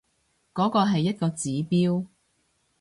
嗰個係一個指標